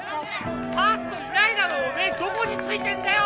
ファーストいないだろ目どこについてんだよ！